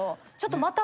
また。